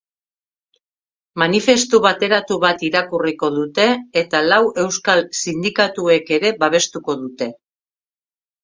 Manifestu bateratu bat irakurriko dute, eta lau euskal sindikatuek ere babestuko dute.